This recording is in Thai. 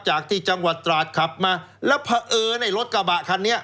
จากที่จังหวัดตราดขับมาแล้วเผอิญในรถกระบะคันนี้